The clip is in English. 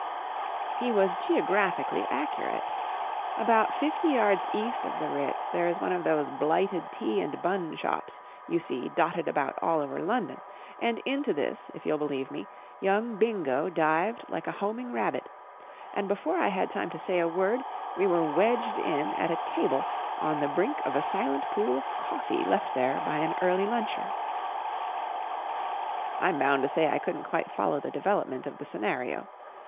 He was geographically accurate. About fifty yards east of the Ritz there is one of those blighted tea and bun shops you see dotted about all over London, and into this, if you'll believe me, young Bingo dived like a homing rabbit; and before I had time to say a word we were wedged in at a table, on the brink of a silent pool of coffee left there by an early luncher. I'm bound to say I couldn't quite follow the development of the scenario.